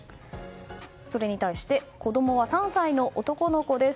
それに対して子供は３歳の男の子です